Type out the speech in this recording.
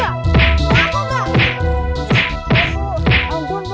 enggak juga kamu enggak